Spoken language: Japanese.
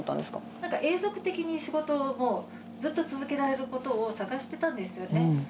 なんか永続的に仕事をもうずっと続けられることを探してたんですよね。